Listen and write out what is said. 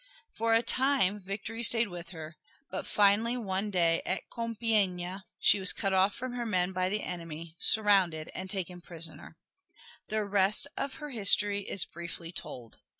For a time victory stayed with her, but finally one day at Compiègne she was cut off from her men by the enemy, surrounded and taken prisoner. The rest of her history is briefly told.